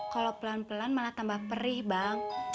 kalau pelan pelan malah tambah perih bang